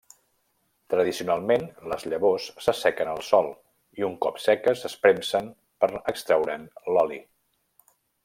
Tradicionalment les llavors s'assequen al sol i un cop seques es premsen per extreure'n l'oli.